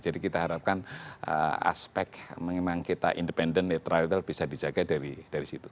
jadi kita harapkan aspek memang kita independen netral bisa dijaga dari situ